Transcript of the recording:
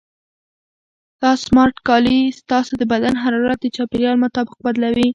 دا سمارټ کالي ستاسو د بدن حرارت د چاپیریال مطابق بدلوي.